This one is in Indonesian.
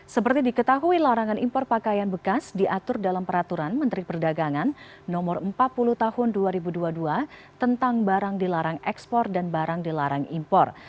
seperti diketahui larangan impor pakaian bekas diatur dalam peraturan menteri perdagangan no empat puluh tahun dua ribu dua puluh dua tentang barang dilarang ekspor dan barang dilarang impor